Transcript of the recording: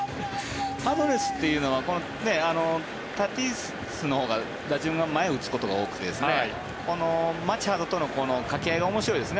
パドレスというのはタティスのほうが打順は前を打つことが多くてマチャドとの掛け合いが面白いですね